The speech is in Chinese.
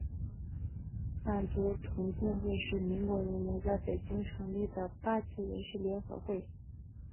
满族同进会是民国元年在北京成立的八旗人士联合会。